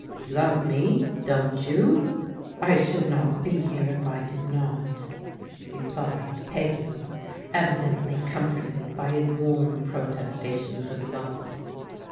You love me, don't you ?" "I should not be here if I did not," replied Peggy, evidently comforted by his warm protestations of love.